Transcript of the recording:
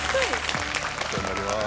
お世話になります。